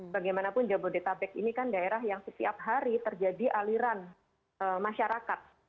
bagaimanapun jabodetabek ini kan daerah yang setiap hari terjadi aliran masyarakat